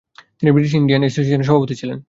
তিনি British Indian অ্যাসোসিয়েশনের সভাপতি ছিলেন।